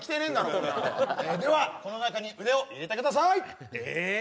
こんなのはではこの中に腕を入れてくださいえっ？